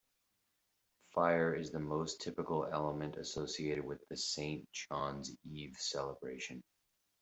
Fire is the most typical element associated with the Saint John's Eve celebration.